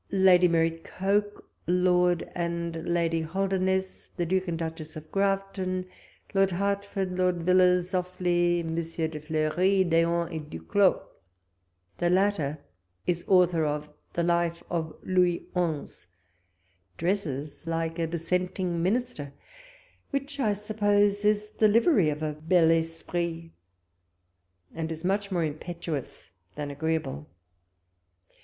Lady Mary Coke, Lord and Lady Holdernesse, the Duke and Duchess of Grafton, Lord Hertford, Lord Villiers, Offley, Messieurs de Fleury, D'Eon, et Duclos. The 90 WALPOLE S LETTERS. latter is author of the Life of Louis Onze ; dresses like a dissenting minister, which I sup pose is the livery of a bii esprit, and is much more impetuous than agreeable.